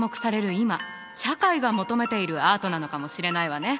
今社会が求めているアートなのかもしれないわね。